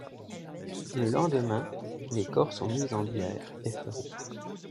Le lendemain, les corps sont mis en bière et fleuris.